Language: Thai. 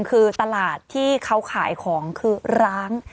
คือตลาดที่เขาขายของคือร้าง